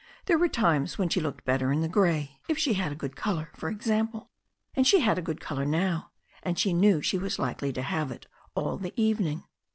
There were times when she looked better in the grey — if she had a good colour, for example. And she had a good colour now, and she knew she was likely to have it all the evening.